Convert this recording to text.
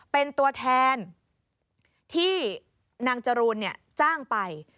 เป็นตัวแทนที่นางจรูนจ้างไป